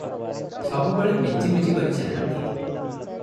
ସବୁବେଳେ ମିଞ୍ଜି ମିଞ୍ଜି କରି ଚାହାଁନ୍ତି ।